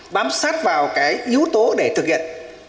bám sát vào cái yếu tố để thực hiện